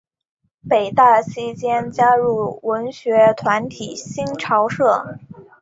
北大期间加入文学团体新潮社。